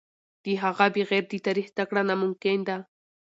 د هغه بغیر د تاریخ څخه زده کړه ناممکن ده.